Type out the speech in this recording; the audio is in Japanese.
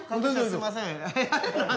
すいません。